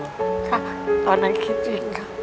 ค่ะตอนนั้นคิดจริงค่ะ